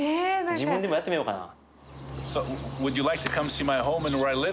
自分でもやってみようかな。